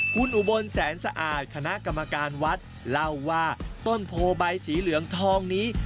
คุณอุบลแสนสะอาดคณะกรรมการวัดเล่าว่าต้นโพใบสีเหลืองทองนี้